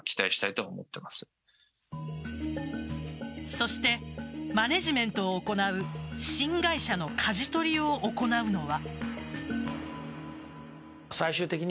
そして、マネジメントを行う新会社の舵取りを行うのは。